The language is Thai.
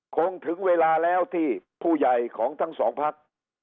คงถึงเวลาที่ผู้ใหญ่ของทั้ง๒พรรค